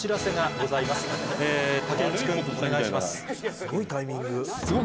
すごいタイミング。